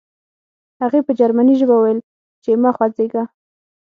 هغې په جرمني ژبه وویل چې مه خوځېږه